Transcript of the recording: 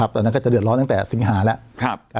ตอนนั้นก็จะเดือดร้อนตั้งแต่สิงหาแล้ว